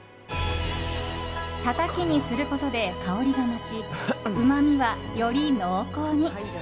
たたきにすることで香りが増し、うまみはより濃厚に。